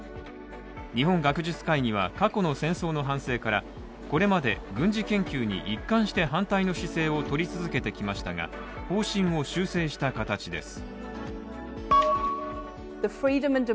日本学術会議は、過去の戦争の反省から、これまで軍事研究に一貫して反対の姿勢をとり続けてきましたが、方針を修正した形です。